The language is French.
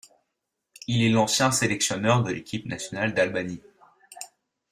Il est l'ancien sélectionneur de l'équipe nationale d'Albanie.